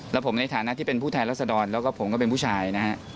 แล้วผมในฐานะที่เป็นผู้แทนรัศดรแล้วก็ผมก็เป็นผู้ชายนะฮะ